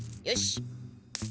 よし。